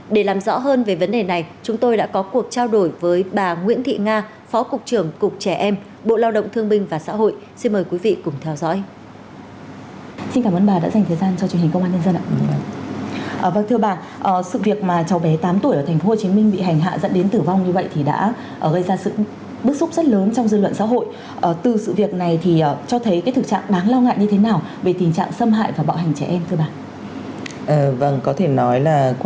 để làm rõ hơn về vấn đề này chúng tôi đã có cuộc trao đổi với bà nguyễn thị nga phó cục trưởng cục trẻ em bộ lao động thương minh và xã hội xin mời quý vị cùng theo dõi